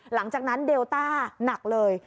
หลังจากนั้นเดลต้าหนักเลย